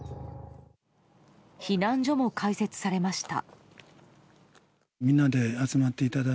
避難所も開設されました。